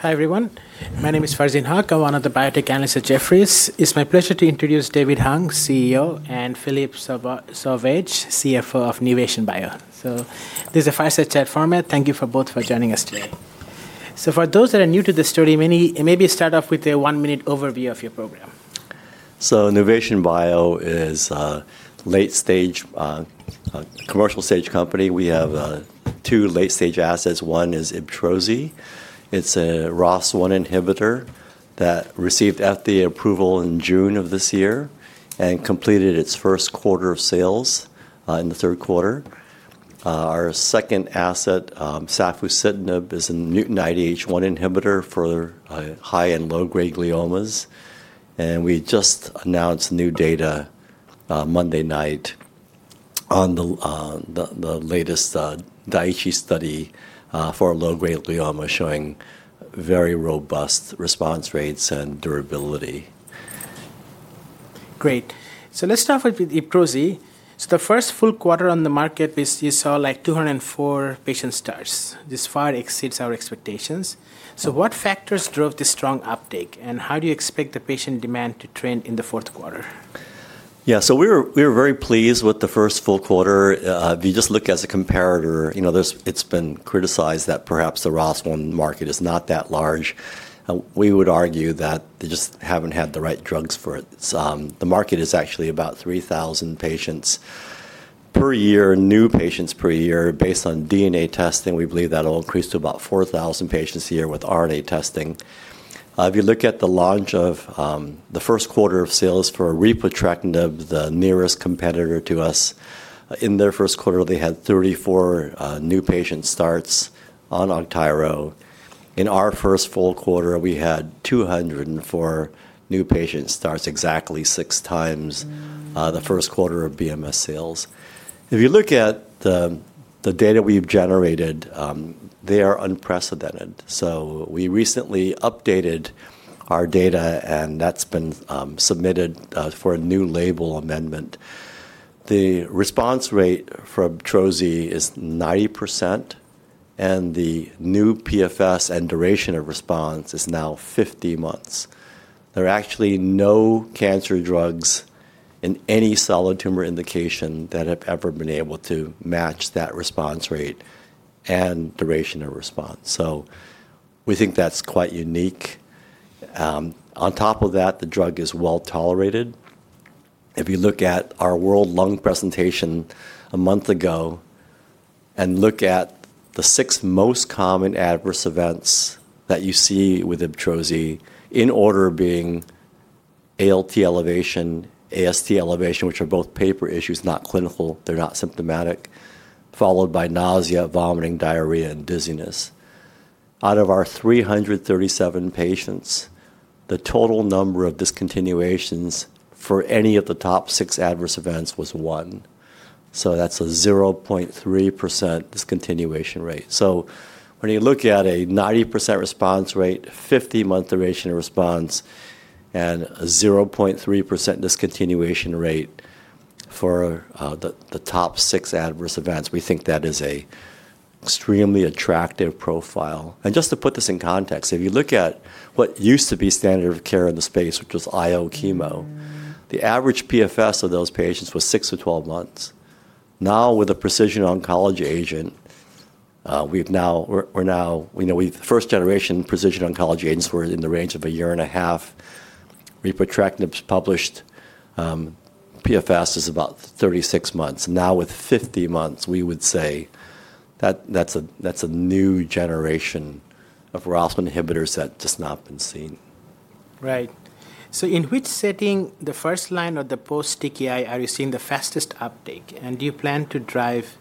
Hi everyone. My name is Farzin Haque, one of the Biotech analysts at Jefferies. It's my pleasure to introduce David Hung, CEO, and Philippe Sauvage, CFO of Nuvation Bio. This is a five-step chat format. Thank you both for joining us today. For those that are new to the story, maybe start off with a one-minute overview of your program. Nuvation Bio is a late-stage, commercial-stage company. We have two late-stage assets. One is IBTROZI. It's a ROS1 inhibitor that received FDA approval in June of this year and completed its first quarter of sales in the third quarter. Our second asset, Safusidenib, is a new IDH1 inhibitor for high and low-grade gliomas. We just announced new data Monday night on the latest DAIICHI study for low-grade glioma, showing very robust response rates and durability. Great. Let's start with IBTROZI. The first full quarter on the market, you saw like 204 patient starts. This far exceeds our expectations. What factors drove the strong uptake, and how do you expect the patient demand to trend in the fourth quarter? Yeah, so we were very pleased with the first full quarter. If you just look as a comparator, it's been criticized that perhaps the ROS1 market is not that large. We would argue that they just haven't had the right drugs for it. The market is actually about 3,000 patients per year, new patients per year. Based on DNA testing, we believe that will increase to about 4,000 patients a year with RNA testing. If you look at the launch of the first quarter of sales for Repotrectinib, the nearest competitor to us, in their first quarter, they had 34 new patient starts on Repotrectinib. In our first full quarter, we had 204 new patient starts, exactly six times the first quarter of BMS sales. If you look at the data we've generated, they are unprecedented. We recently updated our data, and that's been submitted for a new label amendment. The response rate for IBTROZI is 90%, and the new PFS and duration of response is now 50 months. There are actually no cancer drugs in any solid tumor indication that have ever been able to match that response rate and duration of response. We think that's quite unique. On top of that, the drug is well tolerated. If you look at our World Lung Presentation a month ago and look at the six most common adverse events that you see with IBTROZI in order being ALT elevation, AST elevation, which are both paper issues, not clinical. They're not symptomatic, followed by nausea, vomiting, diarrhea, and dizziness. Out of our 337 patients, the total number of discontinuations for any of the top six adverse events was one. That's a 0.3% discontinuation rate. When you look at a 90% response rate, 50-month duration of response, and a 0.3% discontinuation rate for the top six adverse events, we think that is an extremely attractive profile. Just to put this in context, if you look at what used to be standard of care in the space, which was IO chemo, the average PFS of those patients was 6-12 months. Now, with a precision oncology agent, first-generation precision oncology agents were in the range of a year and a half. Repotrectinib's published PFS is about 36 months. Now, with 50 months, we would say that's a new generation of ROS1 inhibitors that's just not been seen. Right. In which setting, the first line or the post-TKI, are you seeing the fastest uptake? Do you plan to drive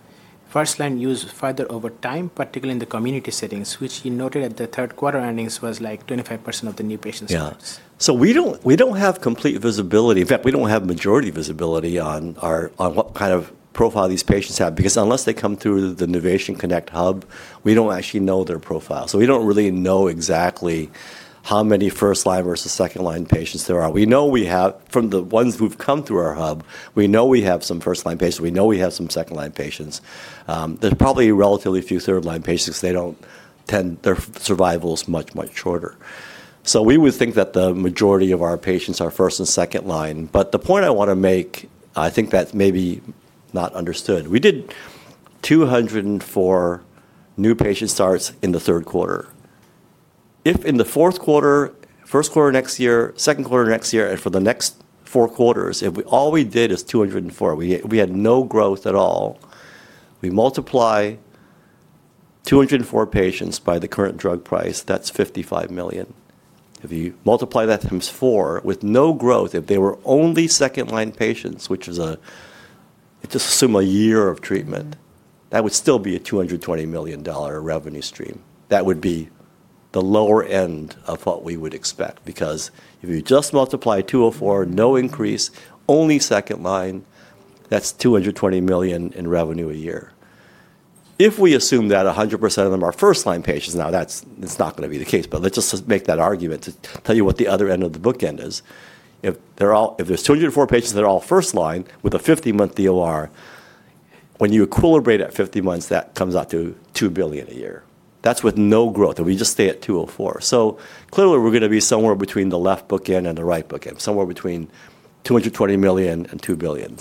first-line use further over time, particularly in the community settings, which you noted at the third quarter earnings was like 25% of the new patients? Yeah. We don't have complete visibility. In fact, we don't have majority visibility on what kind of profile these patients have, because unless they come through the NuvationConnect Hub, we don't actually know their profile. We don't really know exactly how many first-line versus second-line patients there are. We know we have, from the ones who've come through our hub, we know we have some first-line patients. We know we have some second-line patients. There's probably relatively few third-line patients because they don't tend, their survival is much, much shorter. We would think that the majority of our patients are first and second-line. The point I want to make, I think that's maybe not understood. We did 204 new patient starts in the third quarter. If in the fourth quarter, first quarter next year, second quarter next year, and for the next four quarters, if all we did is 204, we had no growth at all. We multiply 204 patients by the current drug price, that's $55 million. If you multiply that times four with no growth, if they were only second-line patients, which is a, just assume a year of treatment, that would still be a $220 million revenue stream. That would be the lower end of what we would expect, because if you just multiply 204, no increase, only second line, that's $220 million in revenue a year. If we assume that 100% of them are first-line patients, now that's not going to be the case, but let's just make that argument to tell you what the other end of the bookend is. If there's 204 patients that are all first-line with a 50-month DOR, when you equilibrate at 50 months, that comes out to $2 billion a year. That's with no growth, and we just stay at 204. Clearly, we're going to be somewhere between the left bookend and the right bookend, somewhere between $220 million and $2 billion.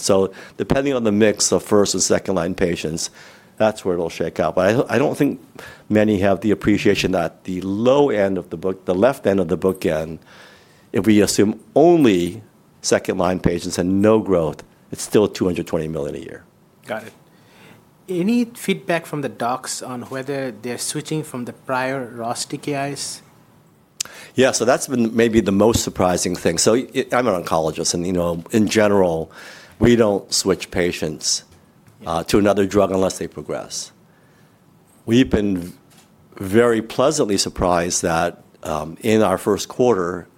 Depending on the mix of first and second-line patients, that's where it'll shake up. I don't think many have the appreciation that the low end of the book, the left end of the bookend, if we assume only second-line patients and no growth, it's still $220 million a year. Got it. Any feedback from the docs on whether they're switching from the prior ROS1 TKIs? Yeah, so that's been maybe the most surprising thing. I'm an oncologist, and in general, we don't switch patients to another drug unless they progress. We've been very pleasantly surprised that in our first quarter,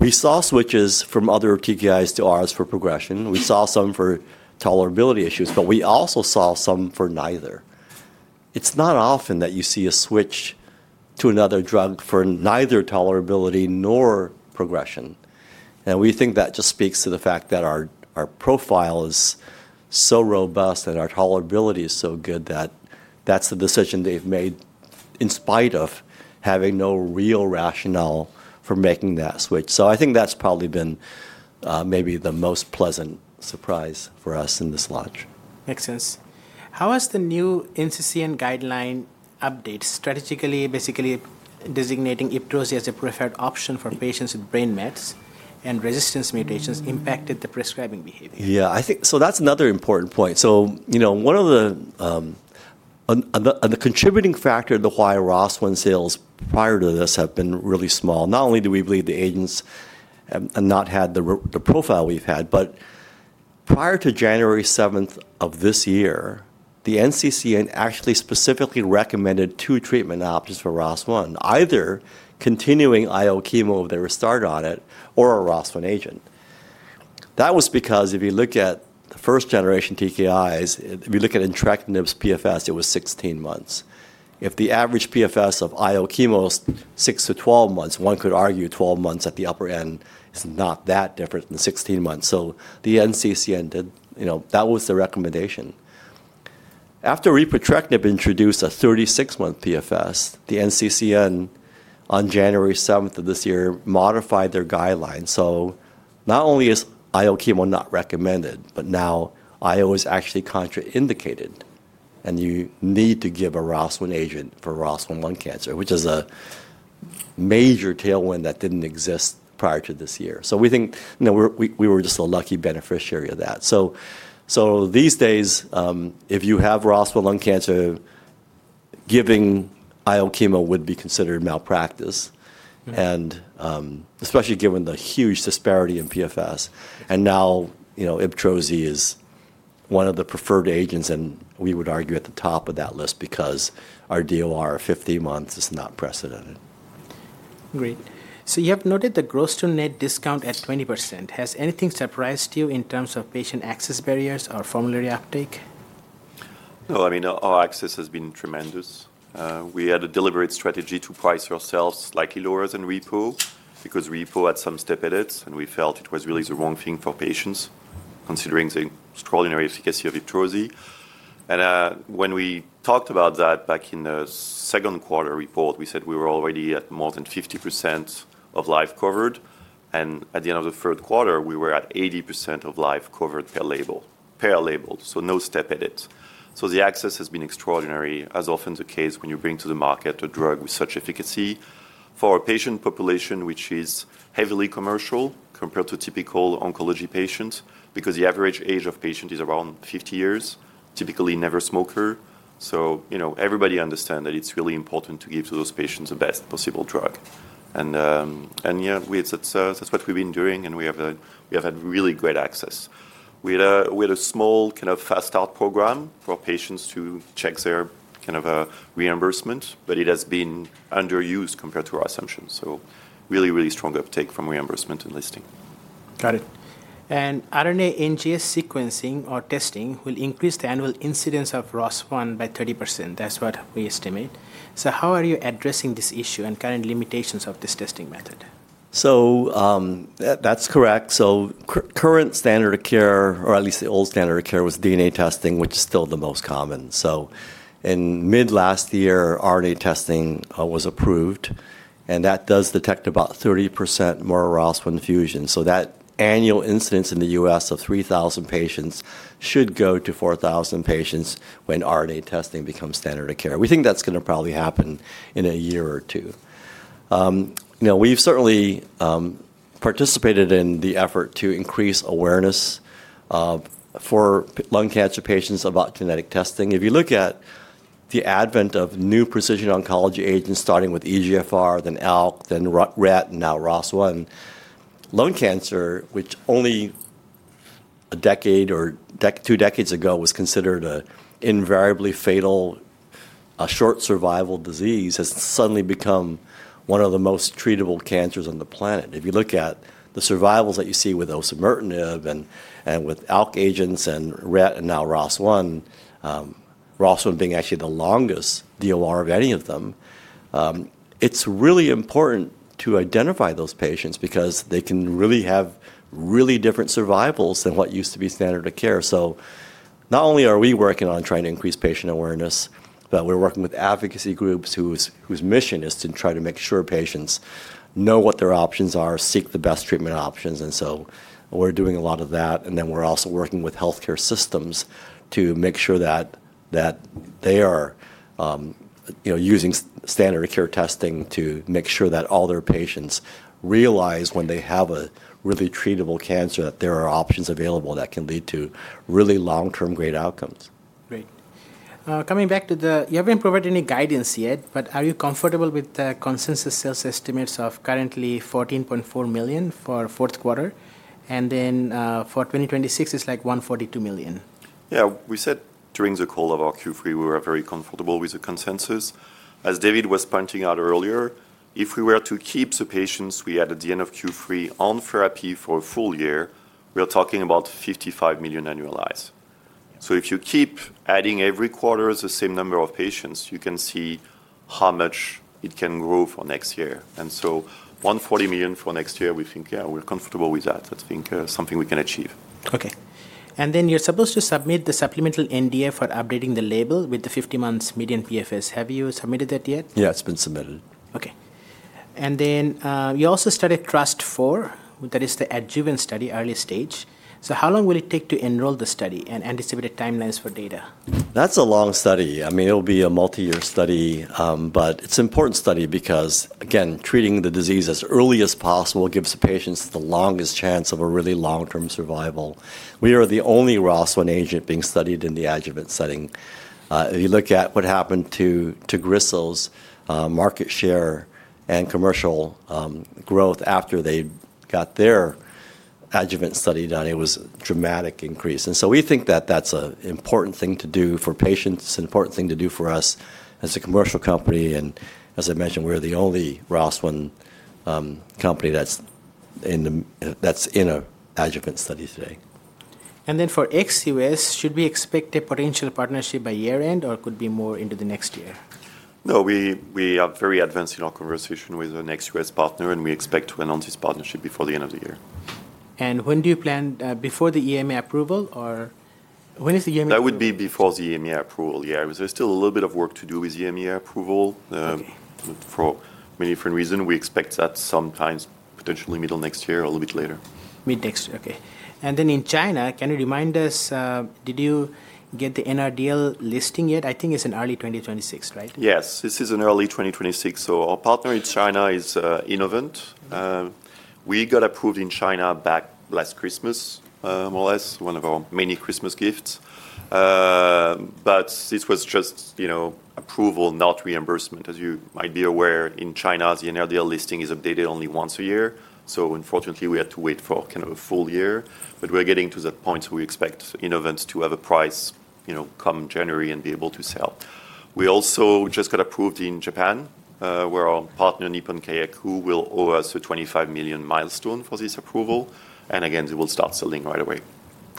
we saw switches from other TKIs to ours for progression. We saw some for tolerability issues, but we also saw some for neither. It's not often that you see a switch to another drug for neither tolerability nor progression. We think that just speaks to the fact that our profile is so robust and our tolerability is so good that that's the decision they've made in spite of having no real rationale for making that switch. I think that's probably been maybe the most pleasant surprise for us in this launch. Makes sense. How has the new NCCN guideline update strategically, basically designating IBTROZI as a preferred option for patients with brain mets and resistance mutations, impacted the prescribing behavior? Yeah, I think so that's another important point. One of the contributing factors of why ROS1 sales prior to this have been really small, not only do we believe the agents have not had the profile we've had, but prior to January 7th of this year, the NCCN actually specifically recommended two treatment options for ROS1, either continuing IO chemo if they were started on it or a ROS1 agent. That was because if you look at the first-generation TKIs, if you look at Intractib's PFS, it was 16 months. If the average PFS of IO chemo is 6-12 months, one could argue 12 months at the upper end is not that different than 16 months. The NCCN did, that was the recommendation. After repotrectinib introduced a 36-month PFS, the NCCN on January 7th of this year modified their guidelines. Not only is IO chemo not recommended, but now IO is actually contraindicated, and you need to give a ROS1 agent for ROS1 lung cancer, which is a major tailwind that did not exist prior to this year. We think we were just a lucky beneficiary of that. These days, if you have ROS1 lung cancer, giving IO chemo would be considered malpractice, especially given the huge disparity in PFS. Now IBTROZI is one of the preferred agents, and we would argue at the top of that list because our DOR 50 months is not precedented. Great. You have noted the gross-to-net discount at 20%. Has anything surprised you in terms of patient access barriers or formulary uptake? No, I mean, our access has been tremendous. We had a deliberate strategy to price ourselves slightly lower than Repo because Repo had some step edits, and we felt it was really the wrong thing for patients considering the extraordinary efficacy of IBTROZI. When we talked about that back in the second quarter report, we said we were already at more than 50% of life covered. At the end of the third quarter, we were at 80% of life covered per label, no step edit. The access has been extraordinary, as is often the case when you bring to the market a drug with such efficacy for a patient population, which is heavily commercial compared to typical oncology patients, because the average age of patient is around 50 years, typically never smoker. Everybody understands that it's really important to give to those patients the best possible drug. Yeah, that's what we've been doing, and we have had really great access. We had a small kind of fast-start program for patients to check their kind of reimbursement, but it has been underused compared to our assumptions. Really, really strong uptake from reimbursement and listing. Got it. RNA NGS sequencing or testing will increase the annual incidence of ROS1 by 30%. That's what we estimate. How are you addressing this issue and current limitations of this testing method? That's correct. Current standard of care, or at least the old standard of care, was DNA testing, which is still the most common. In mid-last year, RNA testing was approved, and that does detect about 30% more ROS1 fusion. That annual incidence in the U.S. of 3,000 patients should go to 4,000 patients when RNA testing becomes standard of care. We think that's going to probably happen in a year or two. We've certainly participated in the effort to increase awareness for lung cancer patients about genetic testing. If you look at the advent of new precision oncology agents, starting with EGFR, then ALK, then RET, and now ROS1, lung cancer, which only a decade or two decades ago was considered an invariably fatal, short-survival disease, has suddenly become one of the most treatable cancers on the planet. If you look at the survivals that you see with osimertinib and with ALK agents and RET and now ROS1, ROS1 being actually the longest DOR of any of them, it's really important to identify those patients because they can really have really different survivals than what used to be standard of care. Not only are we working on trying to increase patient awareness, but we're working with advocacy groups whose mission is to try to make sure patients know what their options are, seek the best treatment options. We're doing a lot of that. We're also working with healthcare systems to make sure that they are using standard of care testing to make sure that all their patients realize when they have a really treatable cancer that there are options available that can lead to really long-term great outcomes. Great. Coming back to the, you haven't provided any guidance yet, but are you comfortable with the consensus sales estimates of currently $14.4 million for fourth quarter? And then for 2026, it's like $142 million. Yeah, we said during the call of our Q3, we were very comfortable with the consensus. As David was pointing out earlier, if we were to keep the patients we had at the end of Q3 on therapy for a full year, we're talking about $55 million annualized. If you keep adding every quarter the same number of patients, you can see how much it can grow for next year. $140 million for next year, we think, yeah, we're comfortable with that. That's something we can achieve. Okay. You're supposed to submit the supplemental NDA for updating the label with the 50-month median PFS. Have you submitted that yet? Yeah, it's been submitted. Okay. You also started TRUST-IV, that is the adjuvant study, early stage. How long will it take to enroll the study and anticipated timelines for data? That's a long study. I mean, it'll be a multi-year study, but it's an important study because, again, treating the disease as early as possible gives the patients the longest chance of a really long-term survival. We are the only ROS1 agent being studied in the adjuvant setting. If you look at what happened to Grisel's market share and commercial growth after they got their adjuvant study done, it was a dramatic increase. We think that that's an important thing to do for patients, an important thing to do for us as a commercial company. As I mentioned, we're the only ROS1 company that's in an adjuvant study today. For ex-U.S., should we expect a potential partnership by year-end or could it be more into the next year? No, we have very advanced conversation with an ex-U.S. partner, and we expect to announce this partnership before the end of the year. When do you plan, before the EMA approval or when is the EMA? That would be before the EMA approval, yeah. There's still a little bit of work to do with EMA approval for many different reasons. We expect that sometimes potentially middle next year, a little bit later. Mid next year, okay. In China, can you remind us, did you get the NRDL listing yet? I think it's in early 2026, right? Yes, this is in early 2026. Our partner in China is Innovent. We got approved in China back last Christmas, more or less, one of our many Christmas gifts. This was just approval, not reimbursement. As you might be aware, in China, the NRDL listing is updated only once a year. Unfortunately, we had to wait for kind of a full year. We are getting to the point where we expect Innovent to have a price come January and be able to sell. We also just got approved in Japan where our partner, Nippon Kayaku, will owe us a $25 million milestone for this approval. Again, we will start selling right away.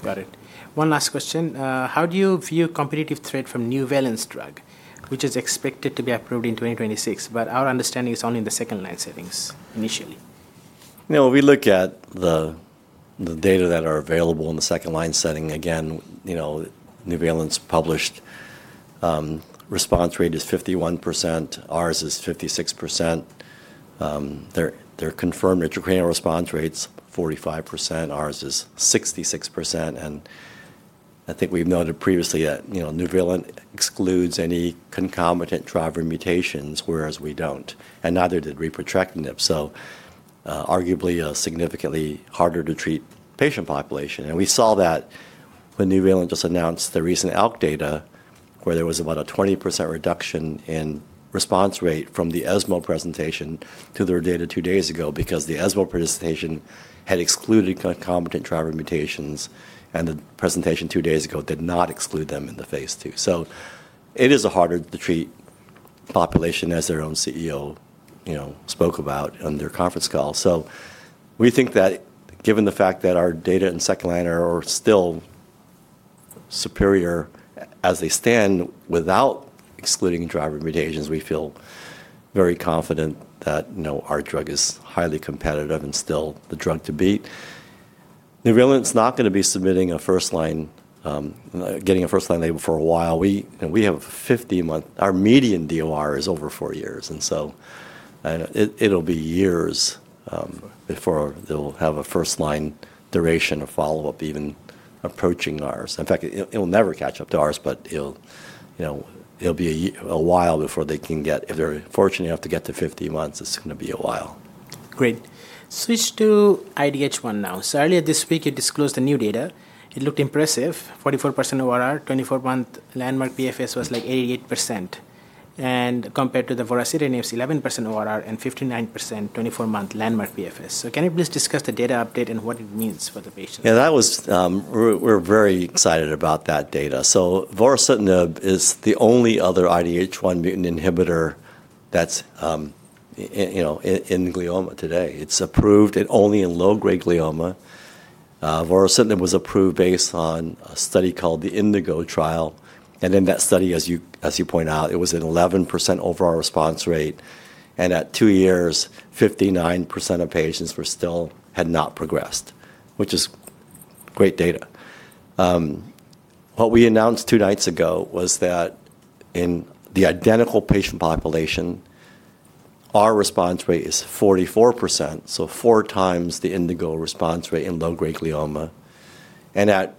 Got it. One last question. How do you view competitive threat from Nuvalent's drug, which is expected to be approved in 2026, but our understanding is only in the second-line settings initially? No, we look at the data that are available in the second-line setting. Again, Nuvalent's published response rate is 51%. Ours is 56%. Their confirmed intracranial response rate is 45%. Ours is 66%. I think we've noted previously that Nuvalent excludes any concomitant driver mutations, whereas we don't. Neither did repotrectinib. Arguably a significantly harder-to-treat patient population. We saw that when Nuvalent just announced the recent ALK data where there was about a 20% reduction in response rate from the ESMO presentation to their data two days ago because the ESMO presentation had excluded concomitant driver mutations and the presentation two days ago did not exclude them in the phase two. It is a harder-to-treat population, as our own CEO spoke about on their conference call. We think that given the fact that our data in second line are still superior as they stand without excluding driver mutations, we feel very confident that our drug is highly competitive and still the drug to beat. Nuvalent's not going to be submitting a first-line, getting a first-line label for a while. We have a 50-month, our median DOR is over four years. And so it'll be years before they'll have a first-line duration of follow-up even approaching ours. In fact, it'll never catch up to ours, but it'll be a while before they can get, if they're fortunate enough to get to 50 months, it's going to be a while. Great. Switch to IDH1 now. Earlier this week, you disclosed the new data. It looked impressive. 44% overall, 24-month landmark PFS was like 88%. Compared to the vorasidenib rate, it is 11% overall and 59% 24-month landmark PFS. Can you please discuss the data update and what it means for the patients? Yeah, we're very excited about that data. So vorasidenib is the only other IDH1 mutant inhibitor that's in glioma today. It's approved only in low-grade glioma. Vorasidenib was approved based on a study called the INDIGO trial. And in that study, as you point out, it was an 11% overall response rate. And at two years, 59% of patients had not progressed, which is great data. What we announced two nights ago was that in the identical patient population, our response rate is 44%, so four times the Indigo response rate in low-grade glioma. And at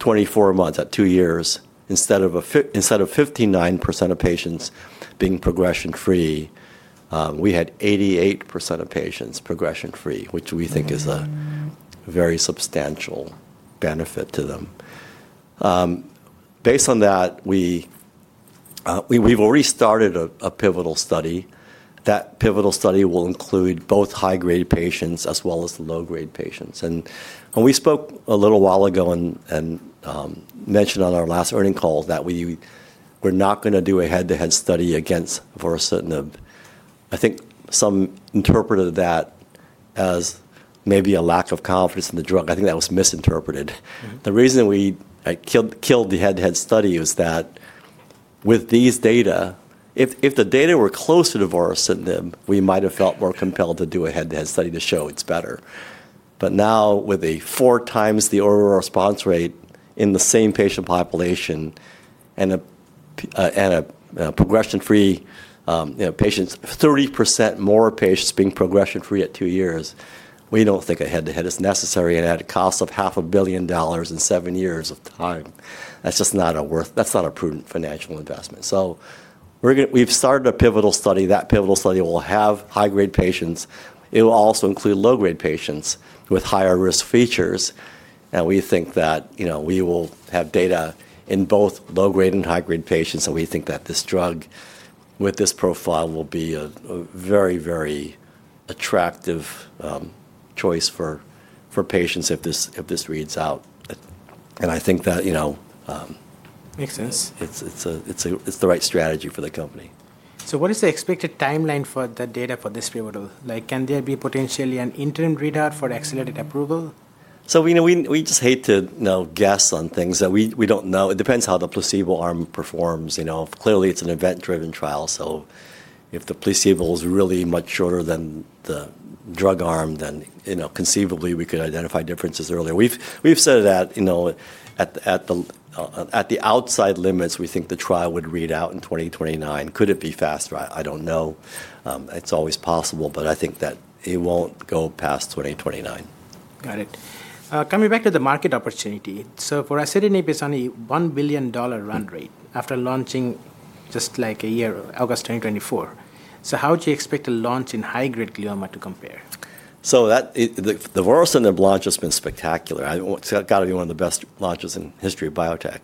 24 months, at two years, instead of 59% of patients being progression-free, we had 88% of patients progression-free, which we think is a very substantial benefit to them. Based on that, we've already started a pivotal study. That pivotal study will include both high-grade patients as well as low-grade patients. We spoke a little while ago and mentioned on our last earnings call that we're not going to do a head-to-head study against vorasidenib. I think some interpreted that as maybe a lack of confidence in the drug. I think that was misinterpreted. The reason we killed the head-to-head study is that with these data, if the data were closer to vorasidenib, we might have felt more compelled to do a head-to-head study to show it's better. Now with a four times the overall response rate in the same patient population and a progression-free patient, 30% more patients being progression-free at two years, we don't think a head-to-head is necessary and at a cost of $500,000,000 in seven years of time. That's just not a prudent financial investment. We have started a pivotal study. That pivotal study will have high-grade patients. It will also include low-grade patients with higher risk features. We think that we will have data in both low-grade and high-grade patients. We think that this drug with this profile will be a very, very attractive choice for patients if this reads out. I think that. Makes sense. It's the right strategy for the company. What is the expected timeline for the data for this pivotal? Can there be potentially an interim readout for accelerated approval? We just hate to guess on things. We don't know. It depends how the placebo arm performs. Clearly, it's an event-driven trial. If the placebo is really much shorter than the drug arm, then conceivably we could identify differences earlier. We've said that at the outside limits, we think the trial would read out in 2029. Could it be faster? I don't know. It's always possible, but I think that it won't go past 2029. Got it. Coming back to the market opportunity. Vorasidenib is only at a $1 billion run rate after launching just like a year, August 2024. How do you expect to launch in high-grade glioma to compare? The vorasidenib launch has been spectacular. It's got to be one of the best launches in the history of biotech.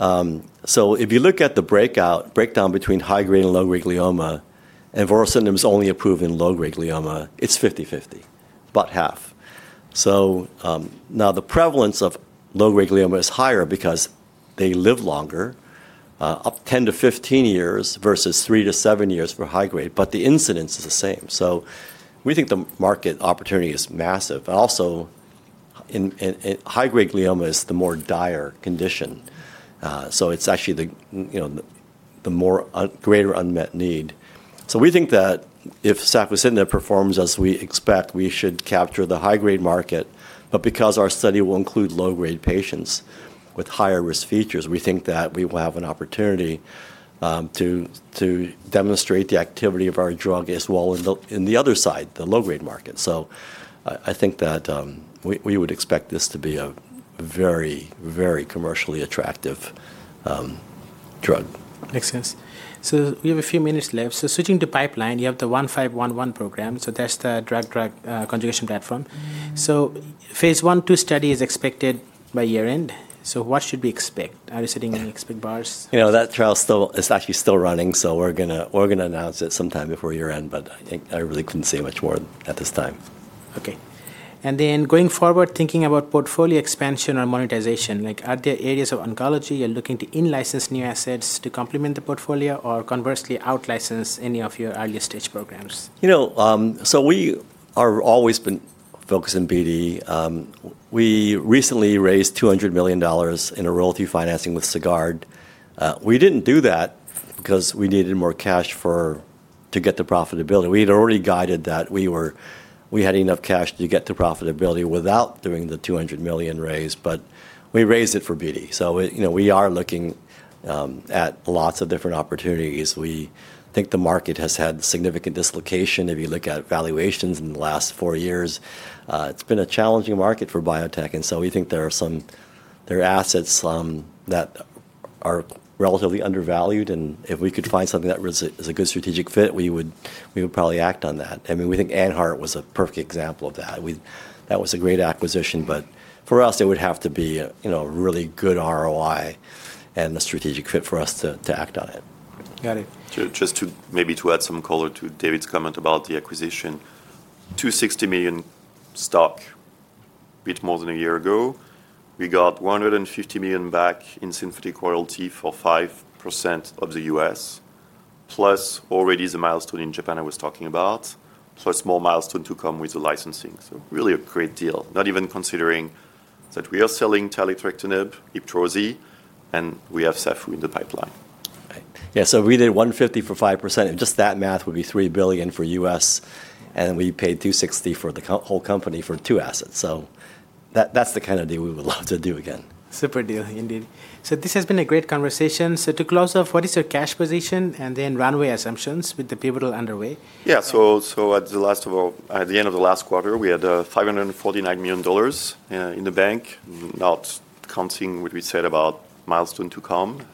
If you look at the breakdown between high-grade and low-grade glioma, and vorasidenib is only approved in low-grade glioma, it's 50-50, about half. The prevalence of low-grade glioma is higher because they live longer, up 10-15 years versus 3-7 years for high-grade, but the incidence is the same. We think the market opportunity is massive. Also, high-grade glioma is the more dire condition. It's actually the greater unmet need. We think that if safusidenib performs as we expect, we should capture the high-grade market. Because our study will include low-grade patients with higher risk features, we think that we will have an opportunity to demonstrate the activity of our drug as well in the other side, the low-grade market. I think that we would expect this to be a very, very commercially attractive drug. Makes sense. We have a few minutes left. Switching to pipeline, you have the NUV-1511 program. That is the drug-drug conjugation platform. Phase I/II study is expected by year-end. What should we expect? Are you sitting expect bars? You know, that trial is actually still running. We are going to announce it sometime before year-end, but I really could not say much more at this time. Okay. Going forward, thinking about portfolio expansion or monetization, are there areas of oncology you're looking to in-license new assets to complement the portfolio or conversely out-license any of your earlier stage programs? You know, we are always been focused in BD. We recently raised $200 million in a royalty financing with Sagard. We didn't do that because we needed more cash to get to profitability. We had already guided that we had enough cash to get to profitability without doing the $200 million raise, but we raised it for BD. We are looking at lots of different opportunities. We think the market has had significant dislocation. If you look at valuations in the last four years, it's been a challenging market for biotech. We think there are some assets that are relatively undervalued. If we could find something that is a good strategic fit, we would probably act on that. I mean, we think Anhart was a perfect example of that. That was a great acquisition, but for us, it would have to be a really good ROI and a strategic fit for us to act on it. Got it. Just to maybe add some color to David's comment about the acquisition, $260 million stock, a bit more than a year ago. We got $150 million back in synthetic royalty for 5% of the U.S., plus already the milestone in Japan I was talking about, plus more milestone to come with the licensing. Really a great deal, not even considering that we are selling taletrectinib, IBTROZI, and we have safusidenib in the pipeline. Yeah, so we did $150 for 5%. Just that math would be $3 billion for U.S. And we paid $260 for the whole company for two assets. So that's the kind of deal we would love to do again. Super deal, indeed. This has been a great conversation. To close off, what is your cash position and then runway assumptions with the pivotal underway? Yeah, at the end of the last quarter, we had $549 million in the bank, not counting what we said about milestone to come.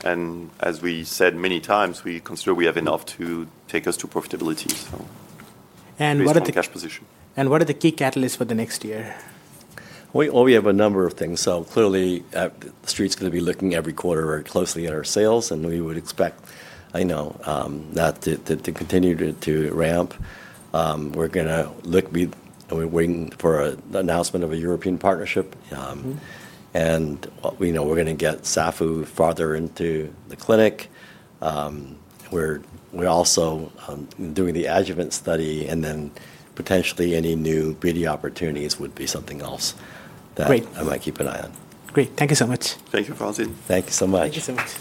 As we said many times, we consider we have enough to take us to profitability. What are the key catalysts for the next year? We have a number of things. Clearly, the street's going to be looking every quarter very closely at our sales. We would expect that to continue to ramp. We're going to wait for the announcement of a European partnership. We're going to get SAFU farther into the clinic. We're also doing the adjuvant study. Potentially any new BD opportunities would be something else that I might keep an eye on. Great. Thank you so much. Thank you, Farzin. Thank you so much.